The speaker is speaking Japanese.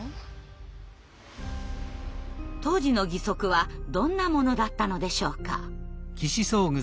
当時の義足はどんなものだったのでしょうか。